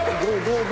どう？